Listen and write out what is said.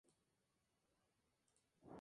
En Canarias, se encuentra la ssp.